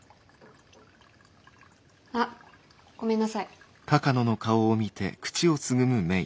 あっごめんなさい。